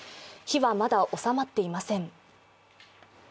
火はまだおさまっていません。